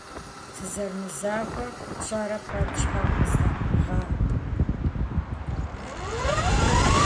Сызэрымызахуэр пщӏэрэ пэт щхьэ къыздэпӏыгъа?